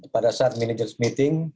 pada saat mini news meeting